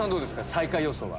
最下位予想は。